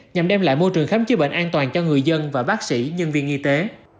nhằm đem lại môi trường khám chữa bệnh an toàn cho người dân và bác sĩ nhân viên y tế